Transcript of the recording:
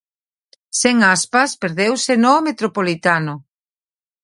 Sen Aspas perdeuse no Metropolitano.